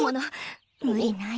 無理ない。